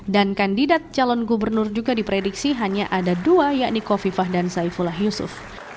dan kandidat calon gubernur juga diprediksi hanya ada dua yakni kofifa dan saifullah yusuf